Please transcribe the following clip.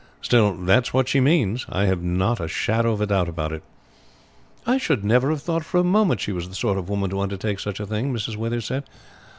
Still that is what she means, I have not a shadow of doubt about it." "I should never have thought for a moment she was the sort of woman to undertake such a thing," Mrs. Withers said.